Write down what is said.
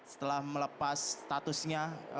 setelah melepas statusnya